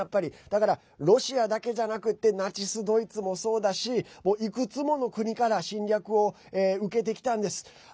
だからロシアだけじゃなくてナチス・ドイツもそうだしいくつもの国から侵略を受けてきたんです。